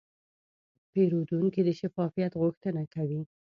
پیرودونکی د شفافیت غوښتنه کوي.